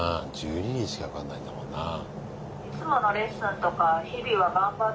１２人しか受かんないんだもんなあ。